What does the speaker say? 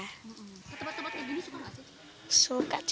tempat tempat seperti ini suka gak sih